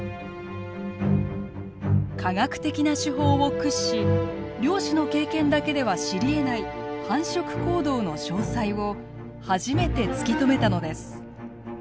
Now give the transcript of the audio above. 科学的な手法を駆使し漁師の経験だけでは知りえない繁殖行動の詳細を初めて突き止めたのです。